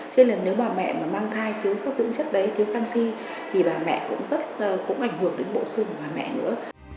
cho nên là nếu bà mẹ mà mang thai thiếu các dưỡng chất đấy thiếu canxi thì bà mẹ cũng rất cũng ảnh hưởng đến bộ xương của bà mẹ nữa